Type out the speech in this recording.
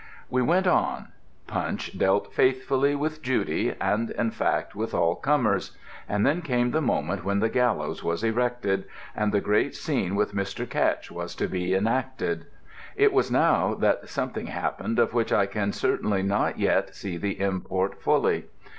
We went on. Punch dealt faithfully with Judy, and in fact with all comers; and then came the moment when the gallows was erected, and the great scene with Mr. Ketch was to be enacted. It was now that something happened of which I can certainly not yet see the import fully.